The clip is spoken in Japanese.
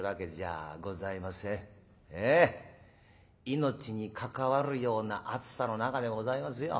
命に関わるような暑さの中でございますよ。